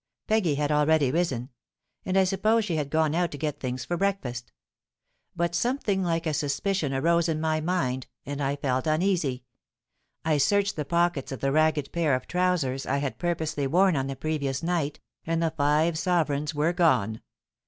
Peggy had already risen; and I supposed she had gone out to get things for breakfast. But something like a suspicion arose in my mind—and I felt uneasy. I searched the pockets of the ragged pair of trousers I had purposely worn on the previous night, and the five sovereigns were gone.